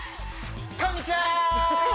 こんにちは！